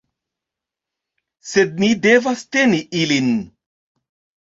Sed ni devas teni ilin.